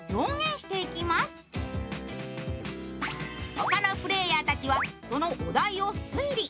他のプレーヤーたちはそのお題を推理。